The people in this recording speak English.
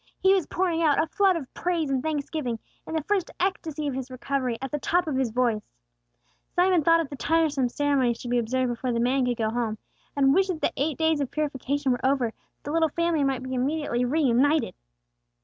He was pouring out a flood of praise and thanksgiving, in the first ecstasy of his recovery, at the top of his voice. Joel thought of the tiresome ceremonies to be observed before the man could go home, and wished that the eight days of purification were over, that the little family might be immediately reunited.